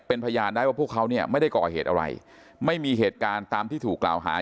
เป็นพยานได้ว่าพวกเขาเนี่ยไม่ได้ก่อเหตุอะไรไม่มีเหตุการณ์ตามที่ถูกกล่าวหา